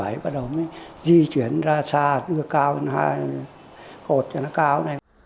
năm hai nghìn một mươi bảy bắt đầu di chuyển ra xa ngược cao cột cho nó cao